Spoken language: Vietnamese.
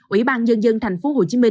ủy ban nhân dân tp hcm